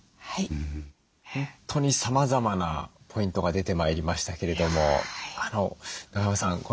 本当にさまざまなポイントが出てまいりましたけれども中山さん